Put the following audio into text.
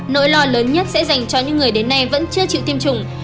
nỗi lo lớn nhất sẽ dành cho những người đến nay vẫn chưa chịu tiêm chủng